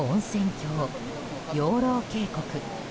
郷養老渓谷。